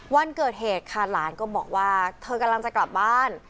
วันเกิดเหตุค่ะหลานก็บอกว่าเธอกำลังจะกลับบ้าน